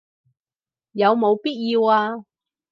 有冇必要啊